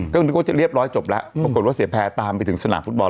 ก็นึกว่าจะเรียบร้อยจบแล้วปรากฏว่าเสียแพร่ตามไปถึงสนามฟุตบอล